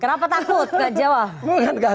kenapa takut nggak jawab